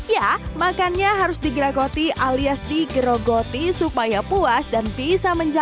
ya makannya harus digragoti alias digerogoti supaya puas dan bisa menjaga